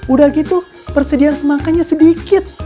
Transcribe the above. udah gitu persediaan makannya sedikit